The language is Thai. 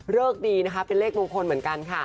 เริ่กดีเป็นเลขมงคลเหมือนกัน